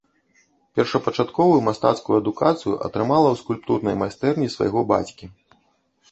Першапачатковую мастацкую адукацыю атрымала ў скульптурнай майстэрні свайго бацькі.